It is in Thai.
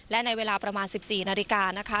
และในเวลาประมาณ๑๔นาฬิกานะคะ